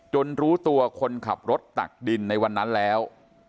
รู้ตัวคนขับรถตักดินในวันนั้นแล้ว